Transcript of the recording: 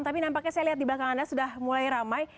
tapi nampaknya saya lihat di belakang anda sudah mulai ramai